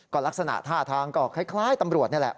ก็ลักษณะท่าทางก็คล้ายตำรวจนี่แหละ